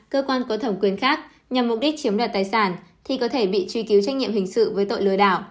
cơ quan có thẩm quyền khác nhằm mục đích chiếm đoạt tài sản thì có thể bị truy cứu trách nhiệm hình sự với tội lừa đảo